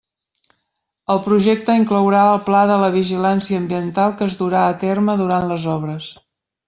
El Projecte inclourà el Pla de la vigilància ambiental que es durà a terme durant les obres.